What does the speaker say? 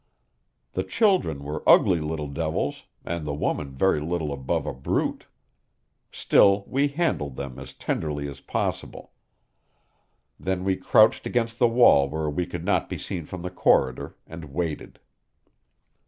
The children were ugly little devils and the woman very little above a brute; still we handled them as tenderly as possible. Then we crouched against the wall where we could not be seen from the corridor, and waited.